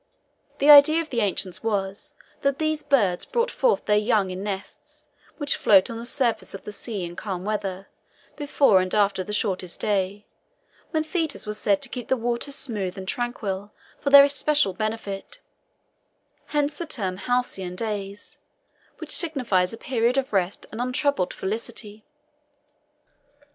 The idea of the ancients was that these birds brought forth their young in nests, which float on the surface of the sea in calm weather, before and after the shortest day, when Thetis was said to keep the waters smooth and tranquil for their especial benefit; hence the term "halcyon days," which signifies a period of rest and untroubled felicity.